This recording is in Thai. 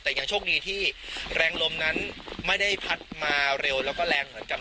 แต่ยังโชคดีที่แรงลมนั้นไม่ได้พัดมาเร็วแล้วก็แรงเหมือนกับ